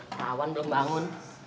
kawan belum bangun